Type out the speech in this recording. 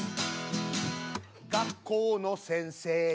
「学校の先生に」